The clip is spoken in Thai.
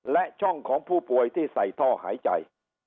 และช่องของผู้ป่วยที่ใส่ท่อหายใจ